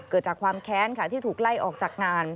เกิดจากความแค้นค่ะที่ถูกไล่ออกจากงาน